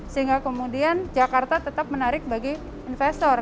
sehingga kemudian jakarta tetap menarik bagi investor